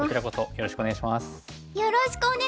よろしくお願いします！